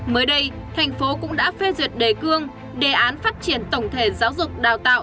mới đây thành phố cũng đã phê duyệt đề cương đề án phát triển tổng thể giáo dục đào tạo